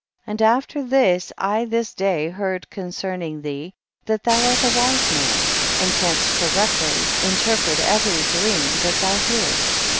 50. And after this I this day heard concerning thee, that thou art a wise man, and canst correctly interpret every dream that thou hearest.